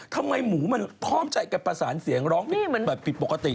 ทำไมหมูมันพร้อมใจกันประสานเสียงร้องผิดแบบผิดปกติ